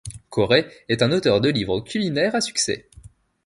Corey est un auteur de livres culinaires à succès.